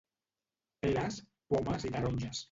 Peres, pomes i taronges.